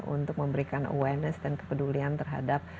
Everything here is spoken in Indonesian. untuk memberikan awareness dan kepedulian terhadap